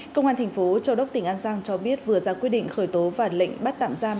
công an thành phố châu đốc tỉnh an giang cho biết vừa ra quyết định khởi tố và lệnh bắt tạm giam